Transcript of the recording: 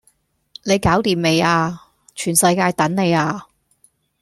你搞惦未呀？全世界等你呀